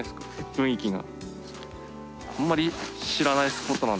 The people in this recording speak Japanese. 雰囲気が。